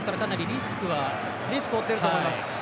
リスクを負っていると思います。